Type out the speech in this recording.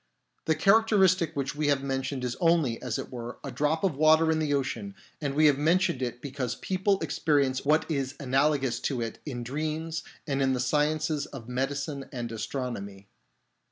The characteristic which we have mentioned is only, as it were, a drop of water in the ocean, and we have mentioned it because people experience what is analogous to it in dreams and in the sciences of medicine and astronomy.